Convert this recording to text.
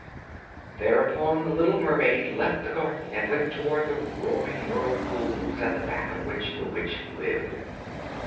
Thereupon the little mermaid left the garden and went towards the roaring whirlpools at the back of which the witch lived.